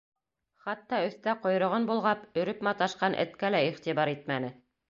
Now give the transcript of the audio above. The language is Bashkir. Хатта өҫтә ҡойроғон болғап, өрөп маташҡан эткә лә иғтибар итмәне.